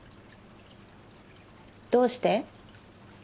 どうして？